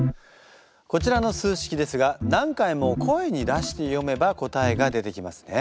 こちらの数式ですが何回も声に出して読めば答えが出てきますね。